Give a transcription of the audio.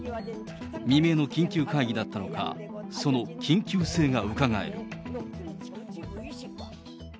未明の緊急会議だったのか、その緊急性がうかがえる。